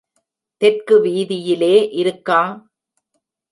தெற்கு வீதியிலே இருக்கா.